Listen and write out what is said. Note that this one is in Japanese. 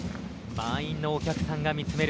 満員のお客さんが見つめる